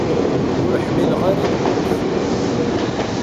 Ur ḥmmileɣ ara lmut.